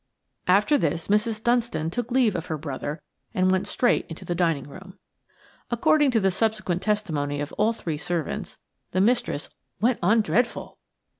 After this Mrs. Dunstan took leave of her brother and went straight into the dining room. According to the subsequent testimony of all three servants, the mistress "went on dreadful."